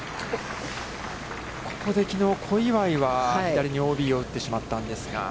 ここで、きのう小祝は左にＯＢを打ってしまったんですが。